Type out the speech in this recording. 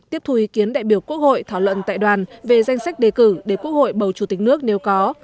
tiếp thù ý kiến đại biểu quốc hội thảo luận tại đoàn về danh sách đề cử để quốc hội bầu chủ tịch nước nếu có